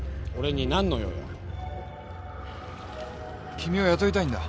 君を雇いたいんだ。